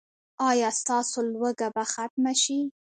ایا ستاسو لوږه به ختمه شي؟